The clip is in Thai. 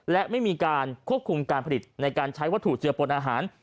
และไม่มีการควบคุมการผลิตในการใช้วัตถุเจือปนอาหาร